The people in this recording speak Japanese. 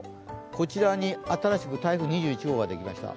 こちらに新しく台風２１号ができました。